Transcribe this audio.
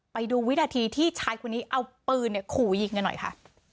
ไปดูวินาทีที่ชายคนนี้เอาปืนขู่ยิงกันหน่อยค่ะ